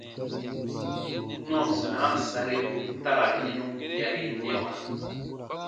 Nɔɔsinaa sariru ta ra yɛnu yarinɛwa.